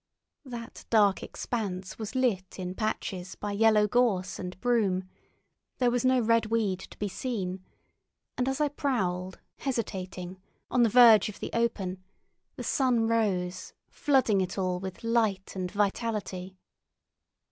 That dark expanse was lit in patches by yellow gorse and broom; there was no red weed to be seen, and as I prowled, hesitating, on the verge of the open, the sun rose, flooding it all with light and vitality.